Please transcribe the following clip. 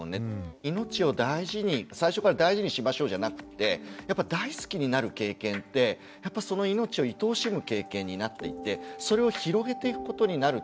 いのちを大事に最初から大事にしましょうじゃなくってやっぱ大好きになる経験ってやっぱそのいのちをいとおしむ経験になっていってそれを広げていくことになると思うんですよね。